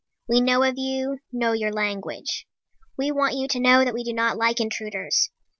We know of you, know your language. We want you to know that we do not like intruders.